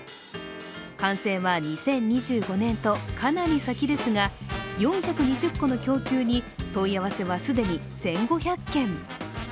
完成は２０２５年と、かなり先ですが４２０戸の供給に問い合わせは既に１５００件。